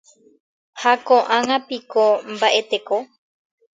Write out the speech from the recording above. Ha koʼág̃a piko mbaʼeteko?